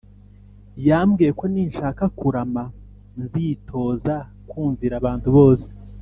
yambwiyeko ninshaka kurama nzitoza kumvira abantu bose